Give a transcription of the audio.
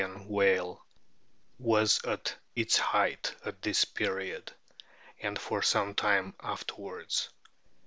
RIGHT WHALES 139 whale was at its height at this period, and for some time afterwards.